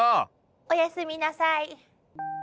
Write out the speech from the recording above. おやすみなさい。